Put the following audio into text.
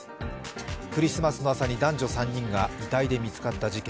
クリスマスの朝に男女３人が遺体で見つかった事件。